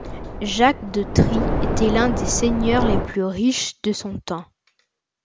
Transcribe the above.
Jacques de Trie était l'un des seigneurs les plus riches de son temps.